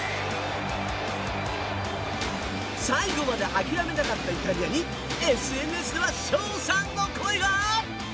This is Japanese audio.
最後まで諦めなかったイタリアにＳＮＳでは賞賛の声が！